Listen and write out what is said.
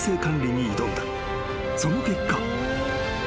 ［その結果］